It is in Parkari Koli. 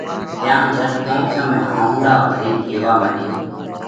تيام جھٽ اونکيون ۾ هئهونڙا ڀرينَ ڪيوا مڏيو: